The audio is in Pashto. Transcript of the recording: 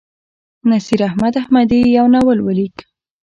نصیراحمد احمدي یو ناول ولیک.